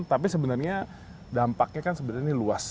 tapi sebenarnya dampaknya kan sebenarnya ini luas